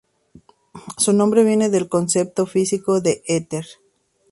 Su nombre viene del concepto físico de "ether".